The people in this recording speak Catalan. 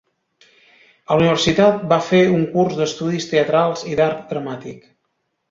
A la universitat va fer un curs d'Estudis Teatrals i d'Art Dramàtic.